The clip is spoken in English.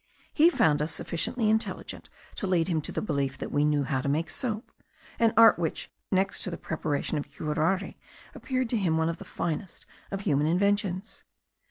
He found us sufficiently intelligent to lead him to the belief that we knew how to make soap, an art which, next to the preparation of curare, appeared to him one of the finest of human inventions.